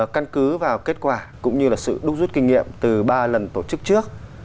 căn cứ vào kết quả cũng như là sự đúc rút kinh nghiệm từ ba lần tổ chức trước